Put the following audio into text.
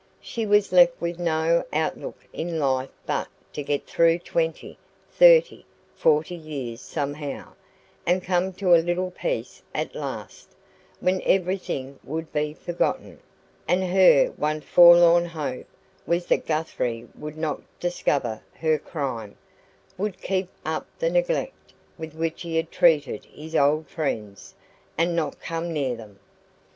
She was left with no outlook in life but to get through twenty, thirty, forty years somehow, and come to a little peace at last, when everything would be forgotten; and her one forlorn hope was that Guthrie would not discover her crime would keep up the neglect with which he had treated his old friends, and not come near them.